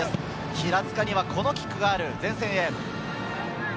平塚にはこのキックがある前線へ。